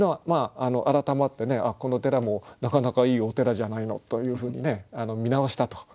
まあ改まって「この寺もなかなかいいお寺じゃないの」というふうに見直したと。